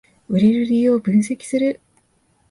売れる理由を分析する